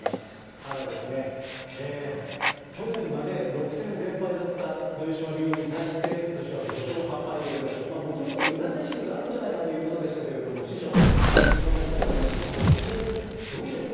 ただ、去年まで６戦全敗だった豊島竜王に対して、ことしは５勝８敗ということで、もともと苦手意識があるんじゃないかということでしたけれども、師匠、これはもう、苦手意識克服ですね。